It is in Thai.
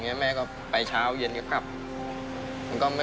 ก็ไม่เคยคิดเหมือนกันครับว่าจะได้ตีดินชาตินะครับแล้ววันหนึ่งมันก็มาถึงอย่างนี้